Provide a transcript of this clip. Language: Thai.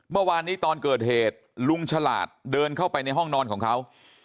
เมื่อวานนี้ตอนเกิดเหตุลุงฉลาดเดินเข้าไปในห้องนอนของเขา